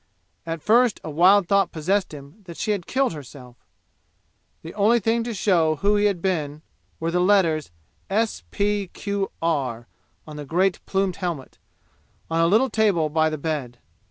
At first a wild thought possessed him that she had killed herself. The only thing to show who he had been were the letters S. P. Q. R. on a great plumed helmet, on a little table by the bed.